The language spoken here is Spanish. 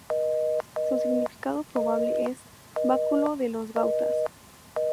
Su significado probable es "báculo de los Gautas".